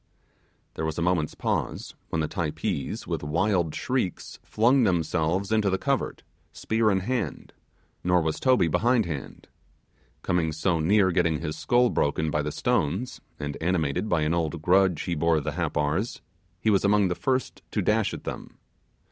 There was a moment's pause, when the Typees, with wild shrieks, flung themselves into the covert, spear in hand; nor was Toby behindhand. Coming so near getting his skull broken by the stones, and animated by an old grudge he bore the Happars, he was among the first to dash at them.